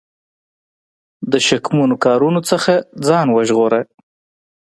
د شکمنو کارونو څخه ځان وژغوره.